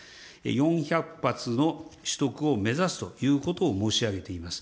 ４００発の取得を目指すということを申し上げています。